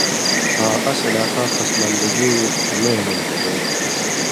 آں اس علاقہ پسماندگیں تمیؤں نہ نھیلے